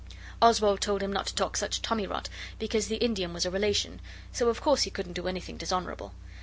Oswald told him not to talk such tommy rot because the Indian was a relation, so of course he couldn't do anything dishonourable.